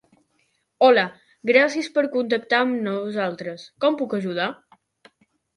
Hola, gràcies per contactar amb nosaltres, com puc ajudar?